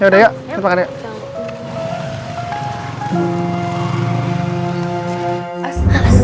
yaudah yuk kita makan yuk